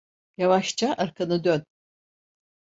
Yavaşça arkanı dön.